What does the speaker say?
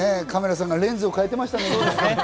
カメラさんがレンズを替えてましたね。